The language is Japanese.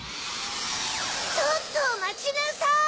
ちょっとまちなさい！